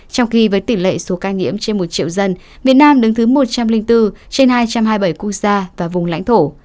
trong khi với tỷ lệ số ca nhiễm trên một triệu dân việt nam đứng thứ một trăm linh bốn trên hai trăm hai mươi bảy quốc gia và vùng lãnh thổ